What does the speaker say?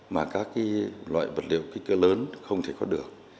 mà các loại vật liệu kích cơ lớn không thể có được